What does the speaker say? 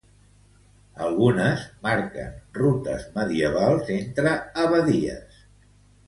Algunes marquen rutes medievals entre abadies.